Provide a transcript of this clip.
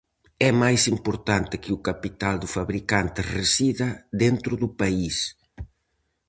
É máis importante que o capital do fabricante resida dentro do país.